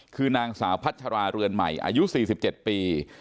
คือนางสาวพัฒราเรือนใหม่อายุสี่สิบเจ่นปี